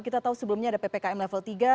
kita tahu sebelumnya ada ppkm level tiga